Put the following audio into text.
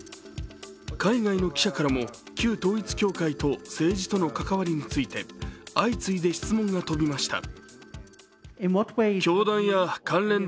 海外の記者からも旧統一教会と政治との関わりについて相次いで質問が飛びました。